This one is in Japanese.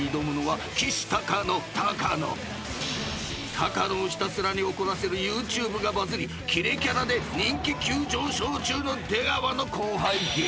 ［高野をひたすらに怒らせるＹｏｕＴｕｂｅがバズりキレキャラで人気急上昇中の出川の後輩芸人］